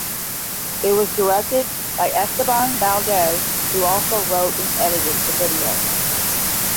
It was directed by Esteban Valdez who also wrote and edited the video.